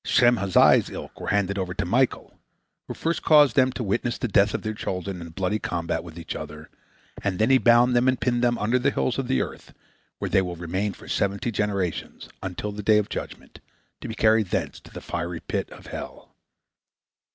Shemhazai's ilk were handed over to Michael, who first caused them to witness the death of their children in their bloody combat with each other, and then he bound them and pinned them under the hills of the earth, where they will remain for seventy generations, until the day of judgment, to be carried thence to the fiery pit of hell.